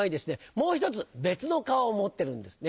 もう一つ別の顔を持ってるんですね。